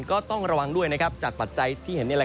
ก็ต้องระวังด้วยจากปัจจัยที่เห็นนี่